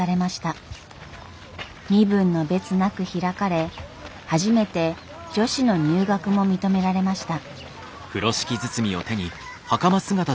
身分の別なく開かれ初めて女子の入学も認められました。